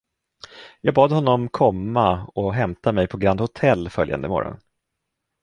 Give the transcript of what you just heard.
Jag bad honom komma och hämta mig på Grand Hôtel följande morgon.